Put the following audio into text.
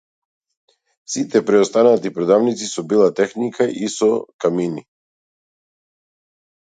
Сите преостанати продавници со бела техника и со камини.